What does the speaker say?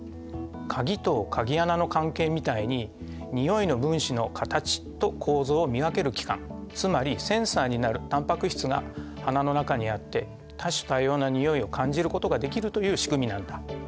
鍵と鍵穴の関係みたいににおいの分子の形と構造を見分ける器官つまりセンサーになるたんぱく質が鼻の中にあって多種多様なにおいを感じることができるというしくみなんだ。